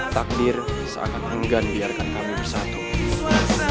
takdir seakan enggan biarkan kami bersatu